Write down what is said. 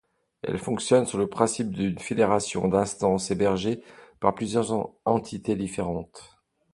Il fonctionne sur le principe d'une fédération d'instances hébergées par plusieurs entités différentes.